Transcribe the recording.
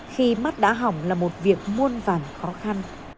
khi mắt đã hỏng là một việc muôn vàn khó khăn